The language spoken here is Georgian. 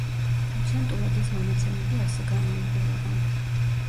პროცენტულად ეს მონაცემები ასე გამოიყურება.